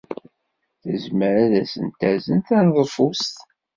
Tezmer ad asent-tazen taneḍfust?